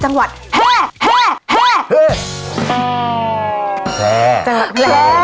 จังหวัดแพร่